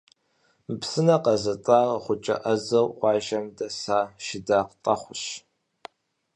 Мы псынэр къэзытӏар гъукӏэ ӏэзэу къуажэм дэса Шыдакъ Тӏэхъущ.